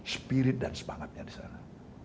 spirit dan semangatnya disana